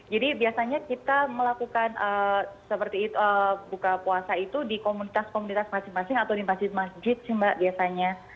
jadi biasanya kita melakukan seperti itu buka puasa itu di komunitas komunitas masing masing atau di masjid masjid sih mbak biasanya